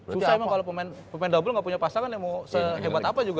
susah emang kalo pemain dobel gak punya pasangan ya mau sehebat apa juga